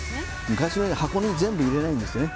昔のように箱に全部、入れないんですね。